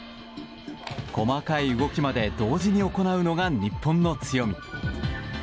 細かい動きまで同時に行うのが日本の強み。